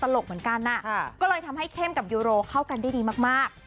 เป็นคนตลกเหมือนกันน่ะฮะก็เลยทำให้เข้มกับยูโรเข้ากันได้ดีมากมาก